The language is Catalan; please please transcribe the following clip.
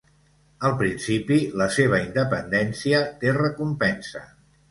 Al principi, la seva independència té recompensa.